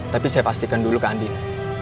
tapi saya pastikan dulu ke andin